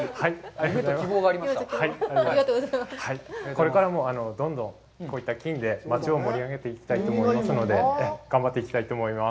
これからもどんどん、こういった金で町を盛り上げていきたいと思いますので、頑張っていきたいと思います。